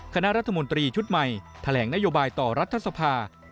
คณะรัฐมนตรีชุดใหม่แถลงนโยบายต่อรัฐสภา